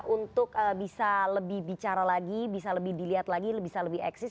untuk bisa lebih bicara lagi bisa lebih dilihat lagi bisa lebih eksis